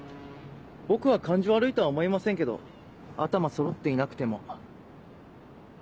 僕は感じ悪いとは思いませんけど頭そろっていなくても。